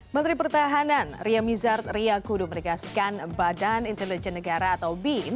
menteri pertahanan ria mizar ria kudu merigaskan badan intelijen negara atau bin